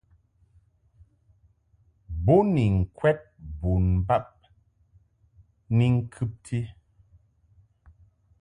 Bo ni ŋkwɛd bon bab ni ŋkɨbti.